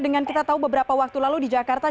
dengan kita tahu beberapa waktu lalu di jakarta